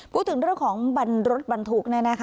พูดถึงเรื่องของบรรรถบรรทุก